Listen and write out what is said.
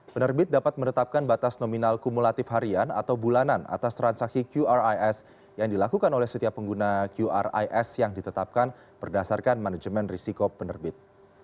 penerbit dapat menetapkan batas nominal kumulatif harian atau bulanan atas transaksi qris yang dilakukan oleh setiap pengguna qris yang ditetapkan berdasarkan manajemen risiko penerbit